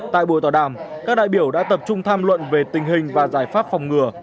tại buổi tọa đàm các đại biểu đã tập trung tham luận về tình hình và giải pháp phòng ngừa